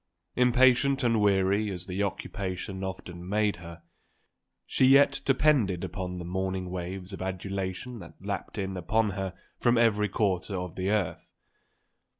Impatient and weary as the occupation often made her, she yet depended upon the morning waves of adulation that lapped in upon her from every quarter of the earth.